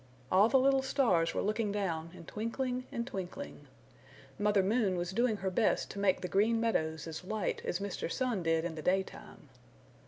All the little stars were looking down and twinkling and twinkling. Mother Moon was doing her best to make the Green Meadows as light as Mr. Sun did in the daytime.